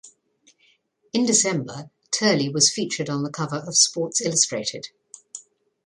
In December, Turley was featured on the cover of "Sports Illustrated".